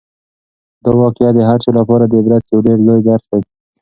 دا واقعه د هر چا لپاره د عبرت یو ډېر لوی درس دی.